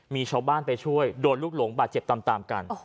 มีชาวบ้านไปช่วยโดนลูกหลงบาดเจ็บตามกัน